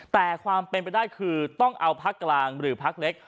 แต่ความเป็นไปได้คือต้องเอาพักกลางหรือพักเล็ก